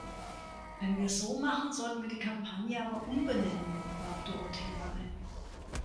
Wenn wir es so machen, sollten wir die Kampagne aber umbenennen, warf Dorothea ein.